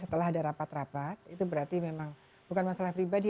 setelah ada rapat rapat itu berarti memang bukan masalah pribadi